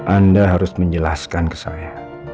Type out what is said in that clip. anda harus menjelaskan ke saya